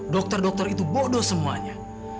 dokter dokter itu bodoh semuanya